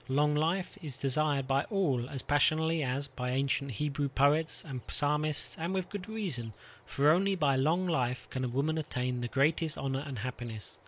Long life is desired by all as passionately as by ancient Hebrew poet and psalmist, and with good reason, for only by long life can a woman attain the greatest honor and happiness.